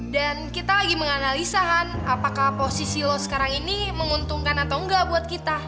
dan kita lagi menganalisa han apakah posisi lo sekarang ini menguntungkan atau enggak buat kita